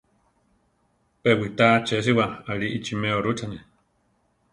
Pe witá achésiwa aʼli ichiméa rúchane.